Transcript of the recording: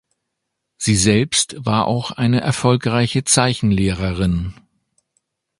Sie selbst war auch eine erfolgreiche Zeichenlehrerin.